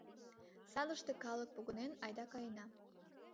Садыште калык погынен, айда каена.